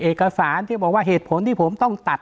เอกสารที่บอกว่าเหตุผลที่ผมต้องตัด